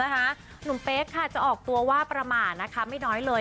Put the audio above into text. หนุ่มเป๊กจะออกตัวว่าประมาทไม่น้อยเลย